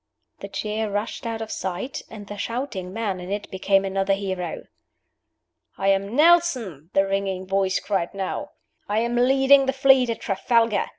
The chair rushed out of sight, and the shouting man in it became another hero. "I am Nelson!" the ringing voice cried now. "I am leading the fleet at Trafalgar.